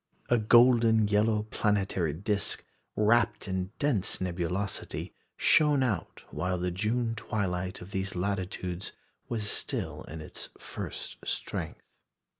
A golden yellow planetary disc, wrapt in dense nebulosity, shone out while the June twilight of these latitudes was still in its first strength.